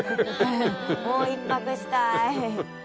もう１泊したい。